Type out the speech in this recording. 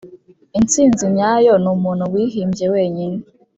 intsinzi nyayo numuntu wihimbye wenyine.